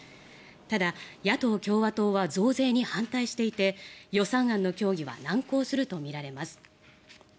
ただ、野党・共和党は増税に反対していて予算案の協議は難航するとみられます。